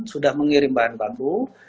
sudah mengirim bahan baku